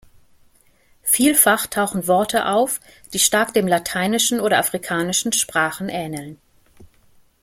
Vielfach tauchen Worte auf, die stark dem Lateinischen oder afrikanischen Sprachen ähneln.